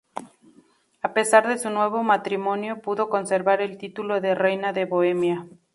A pesar de su nuevo matrimonio, pudo conservar el título de reina de Bohemia.